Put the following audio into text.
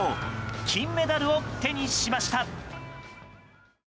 金メダルを手にしました。